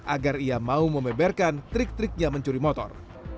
agar ia mau membeberkan trik triknya mencuri motor